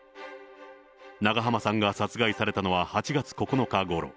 長濱さんが殺害されたのは８月９日ごろ。